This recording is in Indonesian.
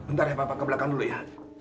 bentar ya bapak ke belakang dulu ya